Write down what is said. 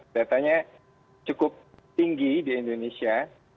datanya cukup tinggi di indonesia